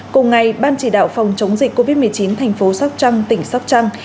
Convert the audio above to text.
cùng ngày ban chỉ đạo phòng chống dịch covid một mươi chín thành phố sóc trăng tỉnh sóc trăng